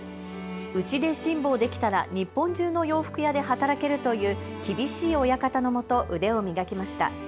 うちで辛抱できたら日本中の洋服屋で働けるという厳しい親方のもと腕を磨きました。